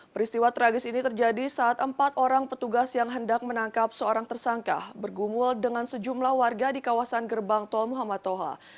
peristiwa tragis ini terjadi saat empat orang petugas yang hendak menangkap seorang tersangka bergumul dengan sejumlah warga di kawasan gerbang tol muhammad toha